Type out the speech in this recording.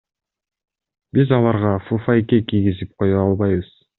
Биз аларга фуфайке кийгизип кое албайбыз.